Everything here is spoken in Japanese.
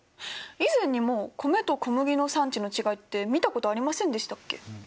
以前にも米と小麦の産地の違いって見たことありませんでしたっけ？